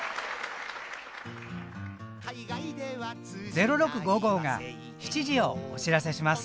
「０６」が７時をお知らせします。